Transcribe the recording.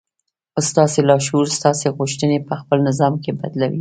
ستاسې لاشعور ستاسې غوښتنې پهخپل نظام کې بدلوي